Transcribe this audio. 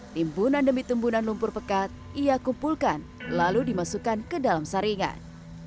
timbunan demi tembunan lumpur pekat ia kumpulkan lalu dimasukkan ke dalam saringan